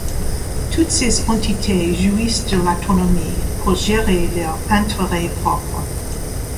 Toutes ces entités jouissent de l'autonomie pour gérer leurs intérêts propres.